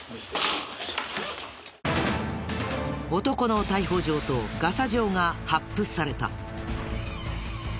男の逮捕状とガサ状が発布された。